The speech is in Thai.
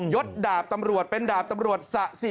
ยดดาบตำรวจเป็นดาบตำรวจ